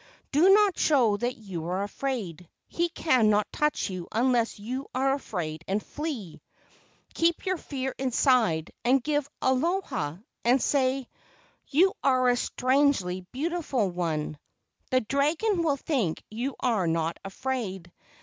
Do not show that you are afraid. He cannot touch you unless you are afraid and flee. Keep your fear inside and give 'Aloha' and say, 'You are a strangely beautiful one.' The dragon will think you are not afraid.